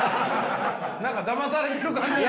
何かだまされてる感じが。